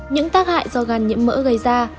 những tác hại do gan nhiễm mỡ gây ra